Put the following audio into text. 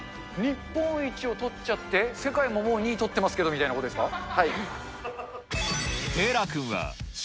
日本一をとっちゃって、世界ももう、２位とってますけど、みたいな子ですか？